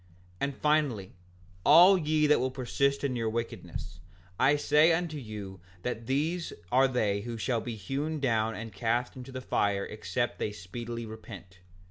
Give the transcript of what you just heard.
5:56 And finally, all ye that will persist in your wickedness, I say unto you that these are they who shall be hewn down and cast into the fire except they speedily repent.